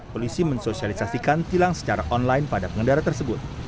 polisi mensosialisasikan tilang secara online pada pengendara tersebut